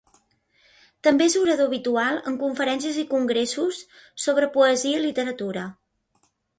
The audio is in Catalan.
També és orador habitual en conferències i congressos sobre poesia i literatura.